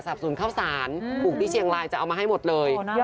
สนุนข้าวสารปลูกที่เชียงรายจะเอามาให้หมดเลย